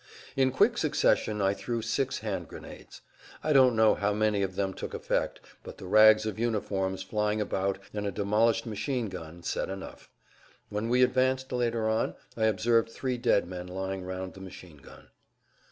In quick succession I threw six hand grenades. I don't know how many of them took effect, but the rags of uniforms flying about and a demolished machine gun said enough. When we advanced later on I observed three dead men lying round the machine gun.